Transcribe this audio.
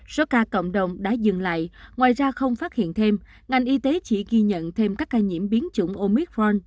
số ca cộng đồng đã dừng lại ngoài ra không phát hiện thêm ngành y tế chỉ ghi nhận thêm các ca nhiễm biến chủng omitron